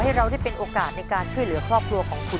เราได้เป็นโอกาสในการช่วยเหลือครอบครัวของคุณ